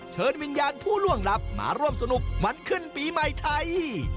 เชิญวิญญาณผู้ล่วงลับมาร่วมสนุกมันขึ้นปีใหม่ไทย